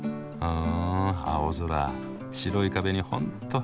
うん？